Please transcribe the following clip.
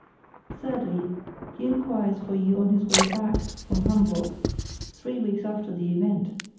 "Thirdly, he inquires for you on his way back from Hamburg, three weeks after the event.